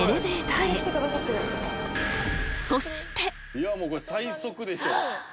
「いやもうこれ最速でしょ」